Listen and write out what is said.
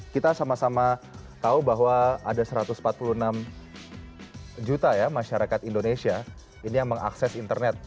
kita sama sama tahu bahwa ada satu ratus empat puluh enam juta ya masyarakat indonesia ini yang mengakses internet